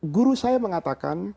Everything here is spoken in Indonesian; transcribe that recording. guru saya mengatakan